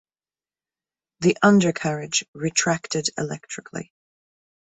The undercarriage retracted electrically.